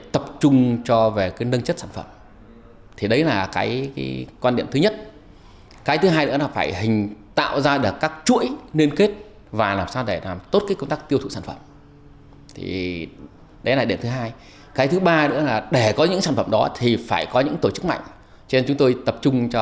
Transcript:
truyền lãm trong và ngoài nước